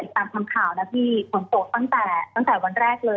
ตามคำข่าวนะพี่ฝนตกตั้งแต่วันแรกเลย